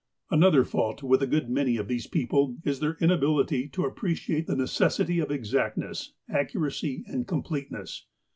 Another fault with a good many of these people is their inability to appreciate the necessity of exactness, accuracy, and completeness.